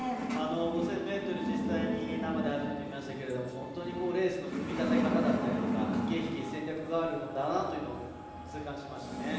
５０００ｍ、実際に生で初めて見ましたけど本当レースの組み立て方だったり駆け引き、戦略があるんだなということを痛感しましたね。